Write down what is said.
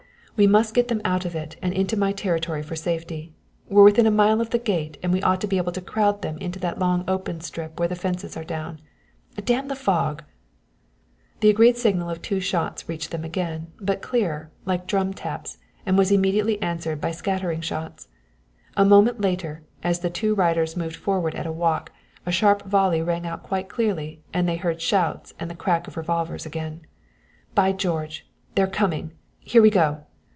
"We must get them out of it and into my territory for safety. We're within a mile of the gate and we ought to be able to crowd them into that long open strip where the fences are down. Damn the fog!" The agreed signal of two shots reached them again, but clearer, like drum taps, and was immediately answered by scattering shots. A moment later, as the two riders moved forward at a walk, a sharp volley rang out quite clearly and they heard shouts and the crack of revolvers again. "By George! They're coming here we go!"